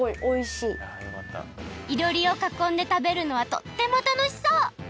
いろりをかこんでたべるのはとっても楽しそう。